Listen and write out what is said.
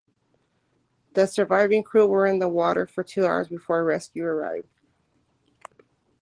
The surviving crew were in the water for two hours before rescue arrived.